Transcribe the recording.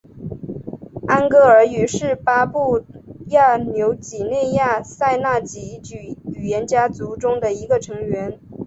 安哥尔语是巴布亚纽几内亚赛纳几语言家族中的一个成员。